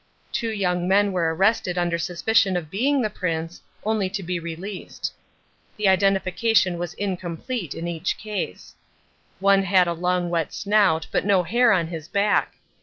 Two young men were arrested under suspicion of being the Prince, only to be released. The identification was incomplete in each case. One had a long wet snout but no hair on his back.